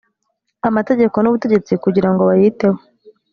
amategeko n ubutegetsi kugira ngo bayiteho